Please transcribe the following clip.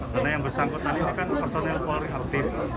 karena yang bersangkutan ini kan personil kuar aktif